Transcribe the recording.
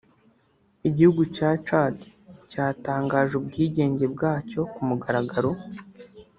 Igihugu cya Chad cyatangaje ubwigenge bwacyo ku mugaragaro